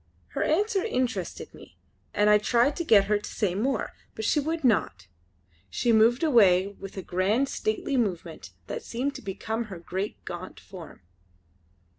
Her answer interested me and I tried to get her to say more; but she would not. She moved away with a grand stately movement that seemed to become her great gaunt form.